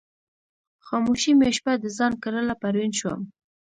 خاموشي مې شپه د ځان کړله پروین شوم